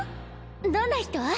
どんな人？